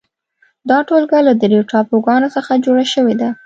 دا ټولګه له درېو ټاپوګانو څخه جوړه شوې ده.